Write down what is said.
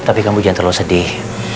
tapi kamu jangan terlalu sedih